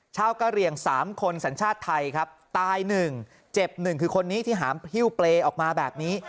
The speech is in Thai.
กะเหลี่ยง๓คนสัญชาติไทยครับตาย๑เจ็บ๑คือคนนี้ที่หามหิ้วเปรย์ออกมาแบบนี้